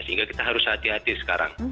sehingga kita harus hati hati sekarang